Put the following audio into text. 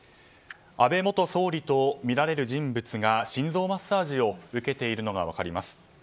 安倍元総理とみられる人物が心臓マッサージを受けているのが分かります。